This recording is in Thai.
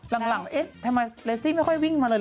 หลังเอ๊ะทำไมเลสซี่ไม่ค่อยวิ่งมาเลย